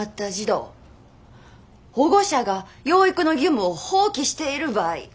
保護者が養育の義務を放棄している場合。